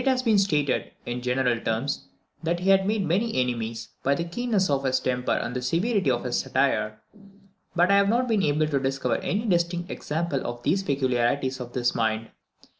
It has been stated, in general terms, that he had made many enemies, by the keenness of his temper and the severity of his satire; but I have not been able to discover any distinct examples of these peculiarities of his mind.